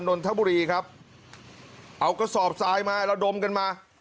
นนทบุรีครับเอากระสอบทรายมาระดมกันมา